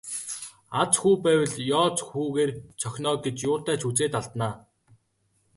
Аз хүү байвал ёоз хүүгээр цохино оо гэж юутай ч үзээд алдана даа.